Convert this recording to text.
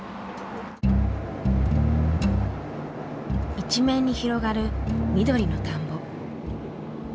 一面に広がる緑の田んぼ。